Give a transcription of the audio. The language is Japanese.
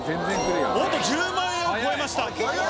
おっと、１０万円を超えました。